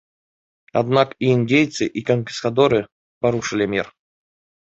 Аднак і індзейцы, і канкістадоры парушылі мір.